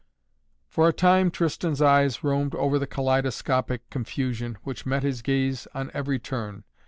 For a time Tristan's eyes roamed over the kaleidoscopic confusion which met his gaze on every turn.